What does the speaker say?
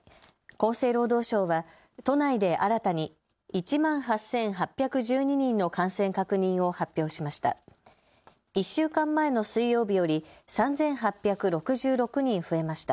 厚生労働省は都内で新たに１万８８１２人の感染確認を発表しました。